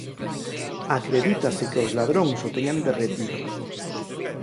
Acredítase que os ladróns o teñan derretido.